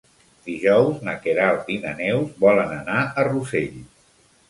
Dijous na Queralt i na Neus volen anar a Rossell.